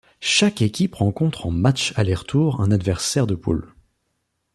Chaque équipe rencontre en matchs aller-retour un adversaire de poule.